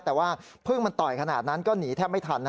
แต่ว่าพึ่งมันต่อยขนาดนั้นก็หนีแทบไม่ทัน